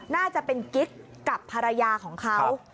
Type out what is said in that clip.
น่าจะเป็นกิ๊กกับภรรยาของเขา